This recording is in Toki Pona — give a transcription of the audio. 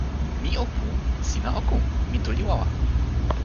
mi o pu. sina o ku. mi tu li wawa.